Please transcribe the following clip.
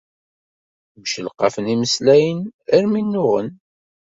Mcelqafen imeslayen armi nnuɣen.